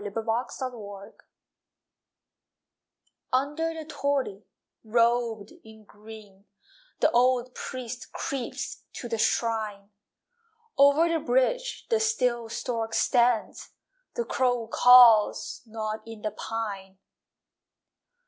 IN A SHINTO TEMPLE GARDEN Under the torii, robed in green, The old priest creeps to the shrine. Over the bridge the still stork stands, The crow caws not in the pine.